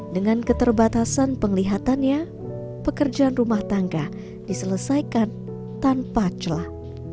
dengan keterbatasan penglihatannya pekerjaan rumah tangga diselesaikan tanpa celah